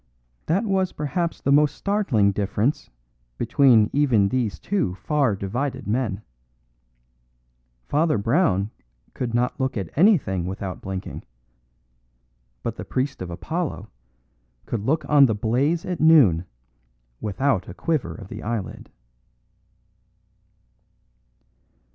That was perhaps the most startling difference between even these two far divided men. Father Brown could not look at anything without blinking; but the priest of Apollo could look on the blaze at noon without a quiver of the eyelid.